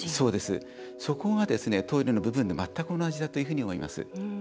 そこがトイレの部分でも全く同じだというふうに思います。